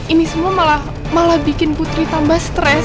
ini semua malah bikin putri tambah stres